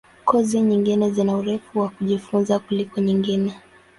Kozi nyingine zina urefu wa kujifunza kuliko nyingine.